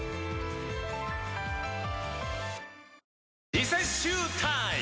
リセッシュータイム！